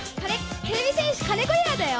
てれび戦士金児莉良だよ！